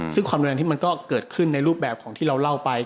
ซึ่งความรุนแรงที่มันก็เกิดขึ้นในรูปแบบของที่เราเล่าไป